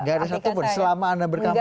nggak ada satupun selama anda berkampanye ya